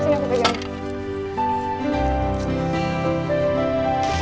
tuh kamu nekat banget sih